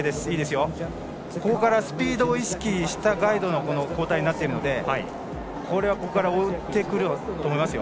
ここからスピードを意識したガイドの交代となっているのでこれは、ここから追ってくると思いますよ。